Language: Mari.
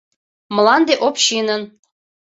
Мланде — общинын!